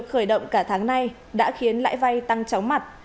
khởi động cả tháng nay đã khiến lãi vay tăng chóng mặt